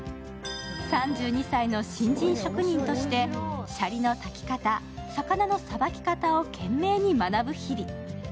３２歳の新人職人としてシャリの炊き方、魚のさばき方を懸命に学ぶ日々。